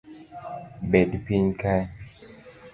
Bed piny kae